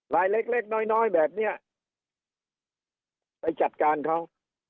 ลายเล็กเล็กน้อยแบบนี้ไปจัดการเขา